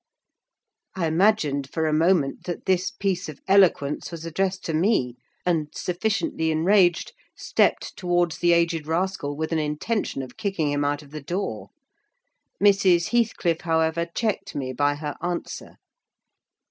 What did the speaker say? I imagined, for a moment, that this piece of eloquence was addressed to me; and, sufficiently enraged, stepped towards the aged rascal with an intention of kicking him out of the door. Mrs. Heathcliff, however, checked me by her answer.